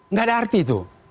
nggak ada arti itu